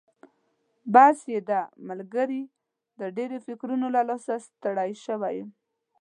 بس یې ده ملګري، د ډېرو فکرونو له لاسه ستړی شوی یم.